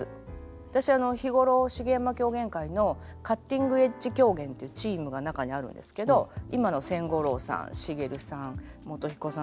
私日頃茂山狂言会の「カッティングエッジ狂言」というチームが中にあるんですけど今の千五郎さん茂さん宗彦さん